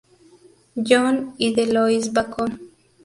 John y de Lois Bacon.